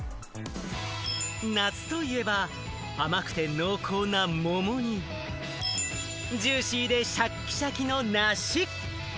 夏といえば、甘くて濃厚な桃に、ジューシーでシャッキシャキの梨。